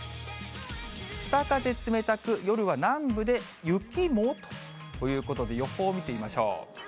北風冷たく、夜は南部で雪も？ということで、予報見てみましょう。